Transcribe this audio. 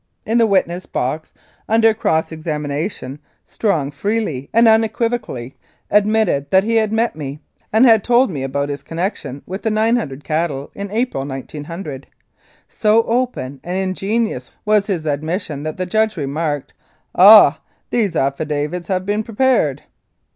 In the witness box, under cross examination, Strong freely and unequivocally admitted that he had met me and had told me about his connection with the 900 cattle in April, 1900. So open and ingenuous was his admission that the judge remarked, "Ah! these affidavits have been prepared."